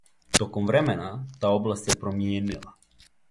Током времена, та област се промијенила.